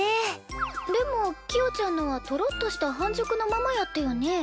でもキヨちゃんのはトロッとした半熟のままやったよね？